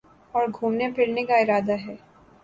اور گھومنے پھرنے کا ارادہ ہے